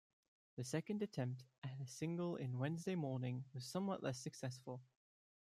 A second attempt at a single in "Wednesday Morning" was somewhat less successful.